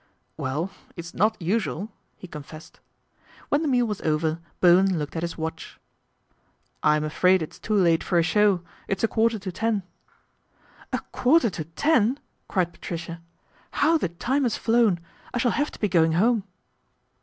"Well, it's not usual," he confessed. When the meal was over Bowen looked at his watch. "I'm afraid it's too late for a show, it's a quarter to ten." "A quarter to ten!" cried Patricia. "How the time has flown. I shall have to be going home."